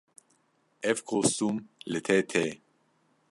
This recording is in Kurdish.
Ev kostûm li te tê.